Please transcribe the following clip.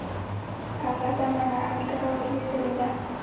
هغه ده مڼه هلته رالوېدلې ده.